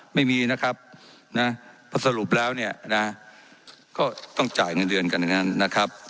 ไม่มีนะครับนะเพราะสรุปแล้วเนี่ยนะก็ต้องจ่ายเงินเดือนกันอย่างนั้นนะครับ